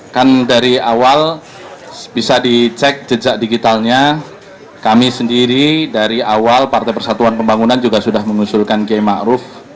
kan dari awal bisa dicek jejak digitalnya kami sendiri dari awal partai persatuan pembangunan juga sudah mengusulkan km makruf